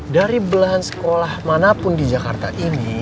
dari belahan sekolah manapun di jakarta ini